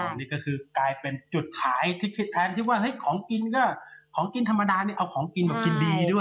อันนี้ก็คือกลายเป็นจุดขายที่คิดแทนที่ว่าเฮ้ยของกินก็ของกินธรรมดาเนี่ยเอาของกินแบบกินดีด้วย